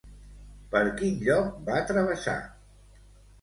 Per quin lloc va travessar?